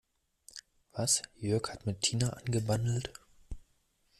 Was, Jörg hat mit Tina angebandelt?